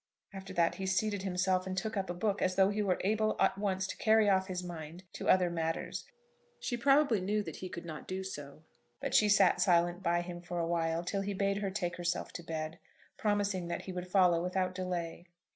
After that, he seated himself, and took up a book as though he were able at once to carry off his mind to other matters. She probably knew that he could not do so, but she sat silent by him for a while, till he bade her take herself to bed, promising that he would follow without delay.